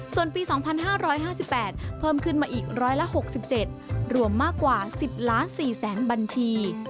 ส่วนปี๒๕๕๘เพิ่มขึ้นมาอีก๑๖๗รวมมากกว่า๑๐ล้าน๔แสนบัญชี